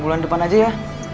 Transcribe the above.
bulan depan aja ya